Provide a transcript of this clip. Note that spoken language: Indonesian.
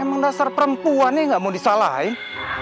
emang dasar perempuannya nggak mau disalahin